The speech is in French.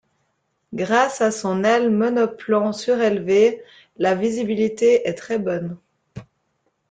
Grâce à son aile monoplan surélevée la visibilité est très bonne.